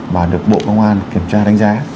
và được bộ công an kiểm tra đánh giá